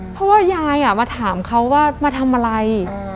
เพราะว่ายายมาถามเขาว่ามาทำอะไร